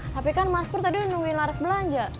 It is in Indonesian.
tapi kan mas pur tadi nemuin laras belanja